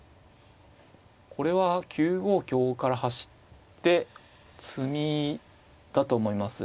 これは９五香から走って詰みだと思います。